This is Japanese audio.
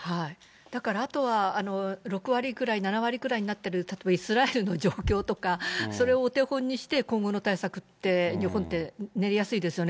だから、あとは６割ぐらい、７割くらいになってる、例えばイスラエルの状況とか、それをお手本にして、今後の対策って、日本って練りやすいですよね。